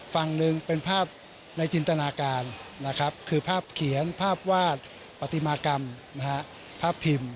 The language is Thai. ฝั่งหนึ่งเป็นภาพในจินตนาการนะครับคือภาพเขียนภาพวาดปฏิมากรรมภาพพิมพ์